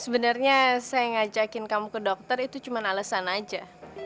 sebenarnya saya ngajakin kamu ke dokter itu cuma alasan aja